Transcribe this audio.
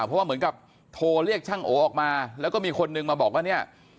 เพราะว่าเหมือนกับโทรเรียกช่างโอออกมาแล้วก็มีคนนึงมาบอกว่าเนี่ย